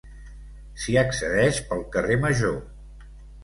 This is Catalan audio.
S'hi accedeix pel carrer Major.